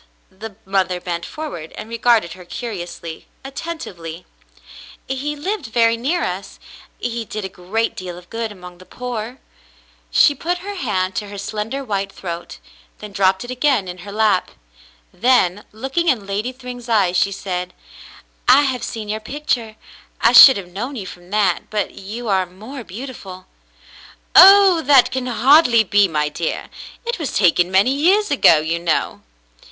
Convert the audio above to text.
'^" The mother bent forward and regarded her curiously, attentively. "He lived very near us. He did a great deal of good — among the poor." She put her hand to her slender white throat, then dropped it again in her lap. Then, looking in Lady Thryng's eyes, she said: "I have seen your pic ture. I should have known you from that, but you are more beautiful." if 284 The Mountain Girl "Oh! That can hardly be, my dear! It was taken many years ago, you know."